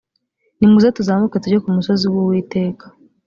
nimuze tuzamuke tujye ku musozi w uwiteka